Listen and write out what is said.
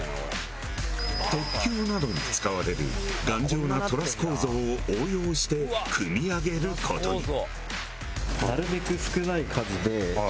鉄橋などに使われる頑丈なトラス構造を応用して組み上げる事に。